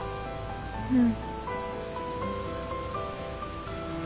うん。